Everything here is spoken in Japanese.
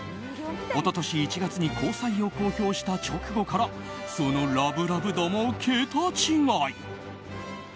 一昨年１月に交際を公表した直後からそのラブラブ度も桁違い。